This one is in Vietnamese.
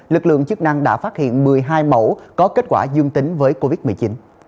lực lượng chức năng đã phát hiện một mươi hai mẫu có kết quả dương tính với covid một mươi chín